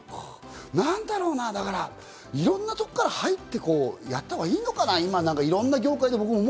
なんだろうな、だからいろんなところから入ってやってもいいのかな、いろんな業界で。